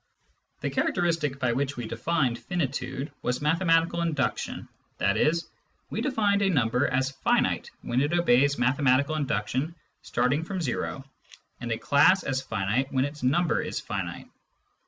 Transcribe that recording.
The characteristic by which we defined finitude was mathe matical induction, i.e. we defined a number as finite when it obeys mathematical induction starting from o, and a class as finite when its number is finite.